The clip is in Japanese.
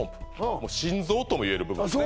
もう心臓ともいえる部分ですね